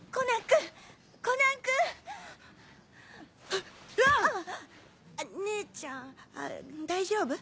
あっ姉ちゃん大丈夫？